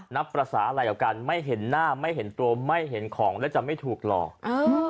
นับภาษาอะไรกับกันไม่เห็นหน้าไม่เห็นตัวไม่เห็นของแล้วจะไม่ถูกหลอกเออ